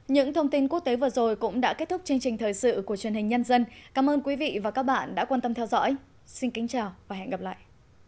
những thông tin quốc tế vừa rồi cũng đã kết thúc chương trình thời sự của truyền hình nhân dân cảm ơn quý vị và các bạn đã quan tâm theo dõi xin kính chào và hẹn gặp lại